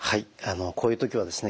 こういう時はですね